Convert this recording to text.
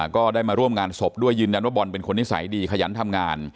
ก็ได้มาร่วมงานศพด้วยยืนยันว่าบอลเป็นคนนิสัยดีขยันทำงาน